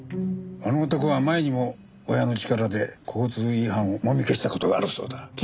あの男は前にも親の力で交通違反をもみ消した事があるそうだ。